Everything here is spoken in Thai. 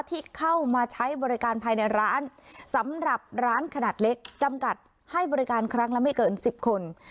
ที่เข้ามาใช้บริการภายในร้านสำหรับร้านขนาดเล็กจำกัดให้บริการครั้งละไม่เกิน๑๐คน